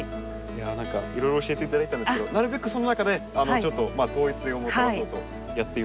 いろいろ教えていただいたんですけどなるべくその中でちょっと統一性を持たそうとやってみました。